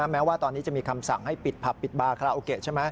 แม้ว่าตอนนี้จะมีคำสั่งให้ปิดผับปิดบาคาราโอเกะใช่ไหม